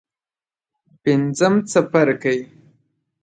پنځم څپرکی.